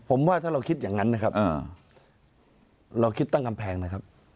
ผมว่าถ้าเราคิดอย่างนั้นนะครับเราคิดตั้งกำแพงนะครับ